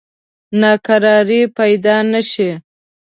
ناکراری پیدا نه شي.